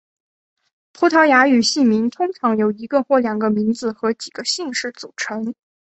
葡萄牙语姓名通常由一个或两个名字和几个姓氏组成。